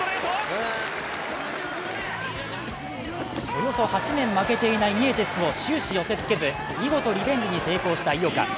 およそ８年負けていないニエテスを終始寄せつけず見事リベンジに成功した井岡。